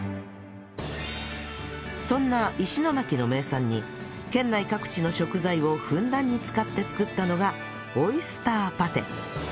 そんな石巻の名産に県内各地の食材をふんだんに使って作ったのがオイスターパテ